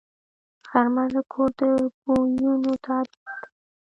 غرمه د کور د بویونو تاریخ دی